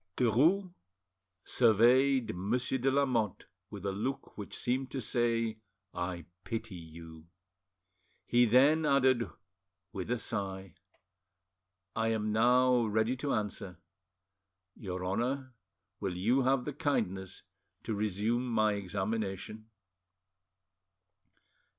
Derues surveyed Monsieur de Lamotte with a look which seemed to say, "I pity you." He then added, with a sigh— "I am now ready to answer. Your Honour, will you have the kindness to resume my examination?"